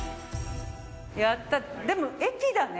やったでも駅だね。